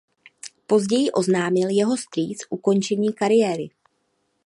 Později oznámil jeho strýc ukončení kariéry.